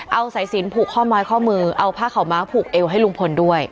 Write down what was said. เอาสายสินผูกข้อไม้ข้อมือเอาผ้าขาวม้าผูกเอวให้ลุงพลด้วย